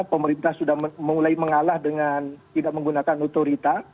jadi kita sudah mulai mengalah dengan tidak menggunakan otorita